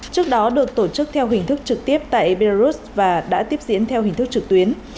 trước đó được tổ chức theo hình thức trực tiếp tại belarus và đã tiếp diễn theo hình thức trực tuyến